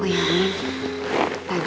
oh ya ming